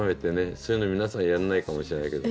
そういうの皆さんやんないかもしれないけど。